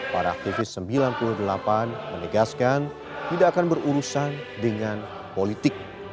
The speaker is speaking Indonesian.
para aktivis sembilan puluh delapan menegaskan tidak akan berurusan dengan politik